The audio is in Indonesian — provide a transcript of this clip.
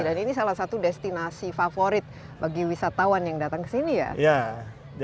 ini salah satu destinasi favorit bagi wisatawan yang datang ke sini ya